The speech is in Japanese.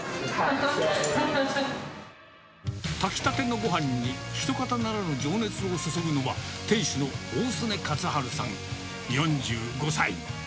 炊きたてのごはんにひとかたならぬ情熱を注ぐのは、店主の大曽根克治さん４５歳。